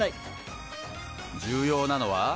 重要なのは？